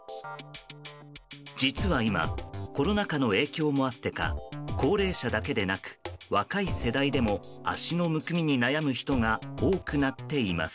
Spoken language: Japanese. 実は今コロナ禍の影響もあってか高齢者だけでなく若い世代でも足のむくみに悩む人が多くなっています。